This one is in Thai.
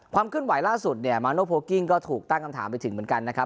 เคลื่อนไหวล่าสุดเนี่ยมาโนโพลกิ้งก็ถูกตั้งคำถามไปถึงเหมือนกันนะครับ